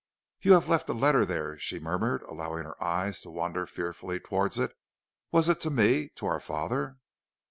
"'You have left a letter there,' she murmured, allowing her eyes to wander fearfully towards it. 'Was it to me? to our father?'